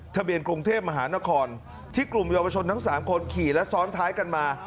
ทะเบียนกรุงเทพมหานครที่กลุ่มเยาวชนทั้ง๓คนขี่และซ้อนท้ายกันมา